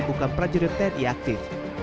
bukan prajurit tni aktif